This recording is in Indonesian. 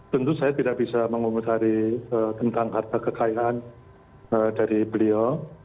tentu saya tidak bisa mengomentari tentang harta kekayaan dari beliau